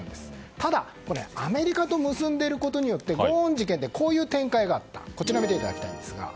ただ、アメリカと結んでいることによってゴーン事件でこういう展開があった。